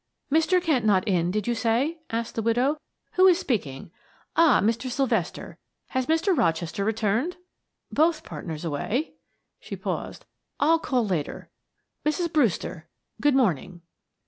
"Mr. Kent not in, did you say?" asked the widow. "Who is speaking? Ah, Mr. Sylvester has Mr. Rochester returned? Both partners away"... she paused... "I'll call later Mrs. Brewster, good morning."